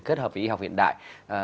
kết hợp với y học hiện đại